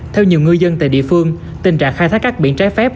theo nhiều người dân tại địa phương tình trạng khai thác cát biển trái phép